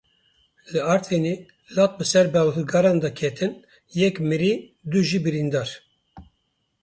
Li Artvînê lat bi ser barhilgiran de ketin yek mirî, du jî birîndar.